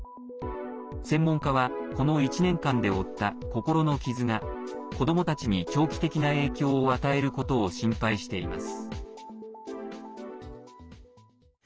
専門家はこの１年間で負った心の傷が子どもたちに長期的な影響を与えることを心配しています。